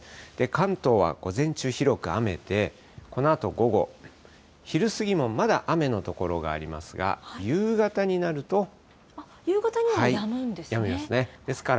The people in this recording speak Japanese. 関東は午前中、広く雨で、このあと午後、昼過ぎもまだ雨の所があ夕方にはやむんですね。